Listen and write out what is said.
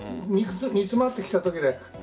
煮詰まってきたときで。